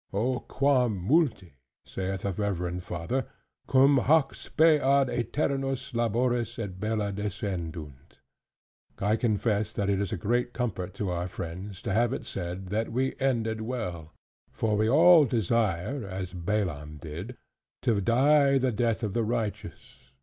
"O quam multi," saith a reverend father, "cum hac spe ad aeternos labores et bella descendunt!" I confess that it is a great comfort to our friends, to have it said, that we ended well; for we all desire (as Balaam did) "to die the death of the righteous."